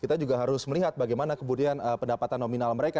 kita juga harus melihat bagaimana kemudian pendapatan nominal mereka